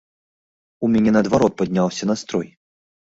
У мяне наадварот падняўся настрой.